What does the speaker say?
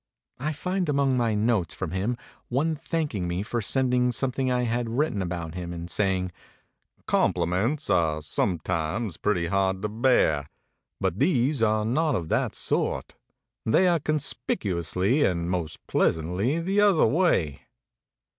I find among my notes from him one thanking me for sending something I had writ ten about him and saying, "Compliments are sometimes pretty hard to bear, but these are not of that sort; they are conspicuously and most pleasantly the other way."